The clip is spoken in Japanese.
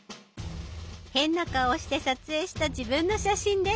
変な顔をして撮影した自分の写真です。